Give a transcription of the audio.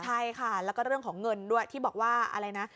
ใช่ค่ะแล้วก็เรื่องของเงินด้วยที่บอกว่าอะไรนะ